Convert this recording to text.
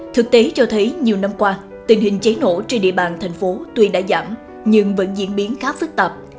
thực tế cho thấy nhiều năm qua tình hình cháy nổ trên địa bàn thành phố tuy đã giảm nhưng vẫn diễn biến khá phức tạp